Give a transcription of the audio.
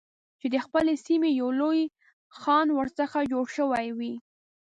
چې د خپلې سیمې یو لوی خان ورڅخه جوړ شوی وي.